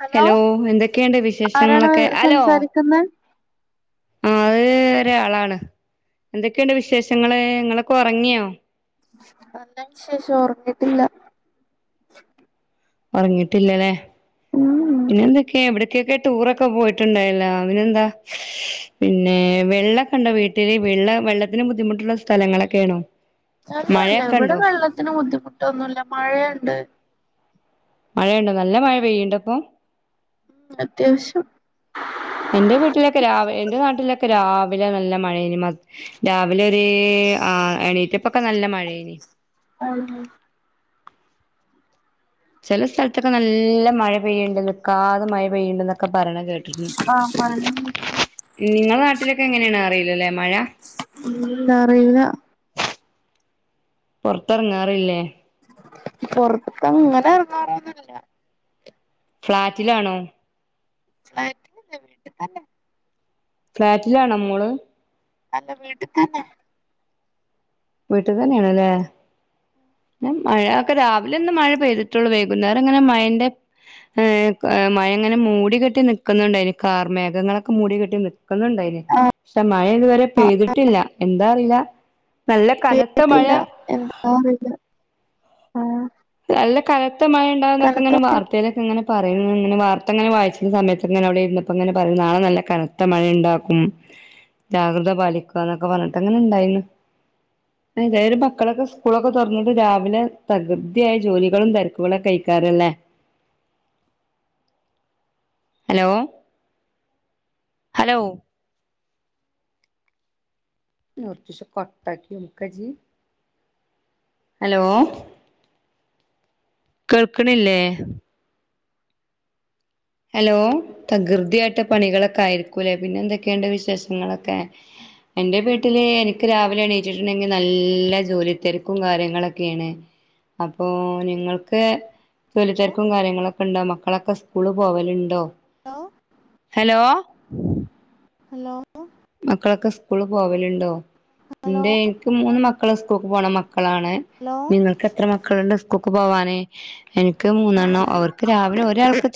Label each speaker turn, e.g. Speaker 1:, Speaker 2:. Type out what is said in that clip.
Speaker 1: Hello
Speaker 2: എന്തൊക്കെയുണ്ട്
Speaker 1: ആരാണ്
Speaker 2: വിശേഷങ്ങളൊക്കെ ഹലോ
Speaker 1: സംസാരിക്കുന്ന്
Speaker 2: ആ അത് ഒരാളാണ് എന്തൊക്കെയുണ്ട് വിശേഷങ്ങള് നിങ്ങളൊക്കെ ഉറങ്ങിയോ
Speaker 1: നല്ല വിശേഷം ഓർങ്ങിട്ടില്ല
Speaker 2: ഉറങ്ങിട്ടില്ലല്ലേ
Speaker 1: ഉം
Speaker 2: പിന്നെ എന്തൊക്കെയാ ഇവിടെ ക്കെ ടൂറൊക്കെ പോയിട്ടുണ്ടായില്ല അവനെന്താ പിന്നെ വെള്ള ക്കണ്ടേ വീട്ടില് വെള്ള വെള്ളത്തിന് ബുദ്ധിമുട്ടുള്ള സ്ഥലങ്ങളൊക്കെയാണോ
Speaker 1: അല്ല അല്ല
Speaker 2: മഴയൊക്കെ
Speaker 1: ഇവിടെ
Speaker 2: ഉണ്ടോ
Speaker 1: വെള്ളത്തിന് ബുദ്ധിമുട്ടൊന്നുമല്ല മഴയുണ്ട്
Speaker 2: മഴയുണ്ടോ നല്ല മഴ പെയ്യുണ്ടോപ്പൊ?
Speaker 1: അത്യാവശ്യം
Speaker 2: എന്റെ വീട്ടിലൊക്കെ രാവെ എന്റെ നാട്ടിലൊക്കെ രാവിലെ നല്ല മഴേയ്നി മദ്ര രാവിലെ ഒരു ആ എണീറ്റപ്പൊക്കെ നല്ല മഴേയ്നി
Speaker 1: [unintelligible]
Speaker 2: ചിലെ സ്ഥലത്തൊക്കെ നല്ല മഴ പെയ്യുണ്ട് നിക്കാതെ മഴ പെയ്യുണ്ട് എന്നൊക്കെ പറയണ കേട്ട്
Speaker 1: ആ പറയണ് കേട്ട്ക്ക്ണ്
Speaker 2: നിങ്ങളെ നാട്ടിലെക്കെ എങ്ങനെയാണറിയില്ല അല്ലേ മഴ
Speaker 1: [unintelligible] അറിയില്ല
Speaker 2: പൊറത്ത് എറങ്ങാറില്ലേ
Speaker 1: പൊറത്ത് അങ്ങനെ ഇറങ്ങറൊന്നുല്ല
Speaker 2: ഫ്ളാറ്റിലാണോ?
Speaker 1: ഐ [unintelligible]
Speaker 2: ഫ്ലാറ്റിലാണോ മോള്
Speaker 1: അല്ല വീട്ടിത്തന്നെ
Speaker 2: വീട്ടിതന്നെയാണില്ലേ മഴയൊക്കെ രാവിലെ ഒന്ന് മഴ പെയ്തിട്ടുള്ളു വൈകുന്നേരം ഇങ്ങനെ മഴന്റെ ഏഹ് ക മഴ അങ്ങനെ മൂടികെട്ടി നിക്കുന്നുണ്ടായിന് കാർ മേഘങ്ങളൊക്കെ മൂടികെട്ടി നിക്കുന്നുണ്ടായിര്ന്നു
Speaker 1: ആഹ്
Speaker 2: ക്ഷെ മഴ ഇതുവരെ പെയ്തിട്ടില്ല എന്താ അറിയില്ല നല്ല കനത്ത
Speaker 1: പെയ്തിട്ടില്ല
Speaker 2: മഴ
Speaker 1: എ [unintelligible] ആഹ്
Speaker 2: നല്ല കനത്ത മഴ ഇണ്ടാവുന്നൊക്കെ
Speaker 1: കനത്ത
Speaker 2: ഇങ്ങനെ വാർ വാർത്തേലൊക്കെ ഇങ്ങനെ പറയുന്നു ഇങ്ങനെ വാർത്ത ഇങ്ങനെ വായിച്ച സമയത്ത് ഇങ്ങനെ അവിടെ ഇരുന്നപ്പോ ഇങ്ങനെ പറയുന്നു നാളെ നല്ല കന ത്ത മഴ ഇണ്ടാക്കും ജാഗ്രത പാലിക്കുക എന്നൊക്കെ പറഞ്ഞിട്ട് അങ്ങനെ ഇണ്ടായിന്നു [unintelligible] മക്കളൊക്കെ സ്കൂളൊക്കെ തുറന്നിട്ട് രാവിലെ തകർ തിയായ ജോലികളും തെരക്കുകളും കയ്ക്കാറല്ലേ ഹലോ ഹലോ [unintelligible] ഹലോ കേൾക്കണില്ലേ? ഹലോ തകൃതിയായിട്ട് പണികളൊക്കെ ആയിരിക്കൂല്ലേ പിന്നെ എന്തൊക്കെയണ്ട് വിശേഷങ്ങളൊക്കെ? എന്റെ വീട്ടില് എനിക്ക് രാവിലെ എണീറ്റിട്ടിണ്ടെങ്കി നല്ല ജോലി തെരക്കും കാര്യങ്ങളൊക്കെയാണ് അപ്പോ നിങ്ങൾക്ക്
Speaker 1: ഹലോ
Speaker 2: ജോലിതിരക്കും കാര്യങ്ങളൊക്കെ ഇണ്ടോ മക്കളൊക്കെ സ്കൂളി പോവലിണ്ടോ ഹലോ
Speaker 1: ഹലോ
Speaker 2: മക്കളൊക്കെ സ്കൂള് പോവലിണ്ടോ?
Speaker 1: ഹലോ
Speaker 2: എന്റെ എനിക്ക് മൂന്ന് മക്കള് സ്കൂൾക്ക് പോണ മക്കളാണ്
Speaker 1: ഹലോ
Speaker 2: നിങ്ങൾ ക്ക്‌ എത്ര മക്കളിണ്ട് സ്കൂക്ക് പോവാന്? എനിക്ക് മൂന്നെണ്ണം അവർക്ക് രാവിലെ ഒരാൾക്ക് ചോ